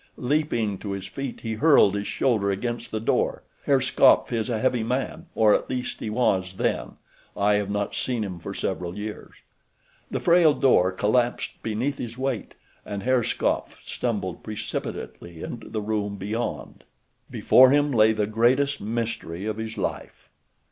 Leaping to his feet he hurled his shoulder against the door. Herr Skopf is a heavy man—or at least he was then—I have not seen him for several years. The frail door collapsed beneath his weight, and Herr Skopf stumbled precipitately into the room beyond. Before him lay the greatest mystery of his life.